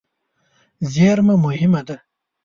زېرمه مهمه ده.